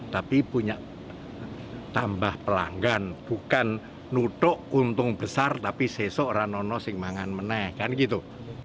tapi punya tambah pelanggan bukan nutuk untung besar tapi sosok ranono simbangan menekan gitu